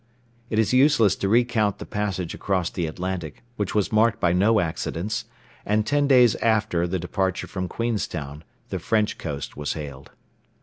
It is useless to recount the passage across the Atlantic, which was marked by no accidents, and ten days after the departure from Queenstown the French coast was hailed.